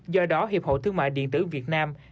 do đó hiệp hội thương mại điện tử việt nam